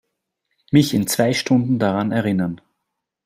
Mich in zwei Stunden daran erinnern.